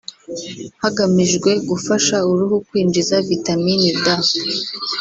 hagamijwe gufasha uruhu kwinjiza Vitamini D